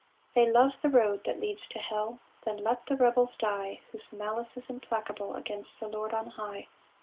6 They love the road that leads to hell; Then let the rebels die Whose malice is implacable Against the Lord on high.